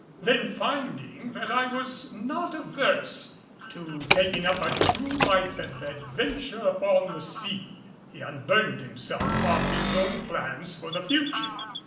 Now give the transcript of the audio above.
Then finding that I was not averse to taking up a true life of adventure upon the sea, he unburdened himself of his own plans for the future.